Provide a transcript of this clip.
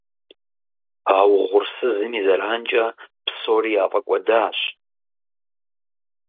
А угъурсызым и зэранкӏэ псори яфӏэкӏуэдащ.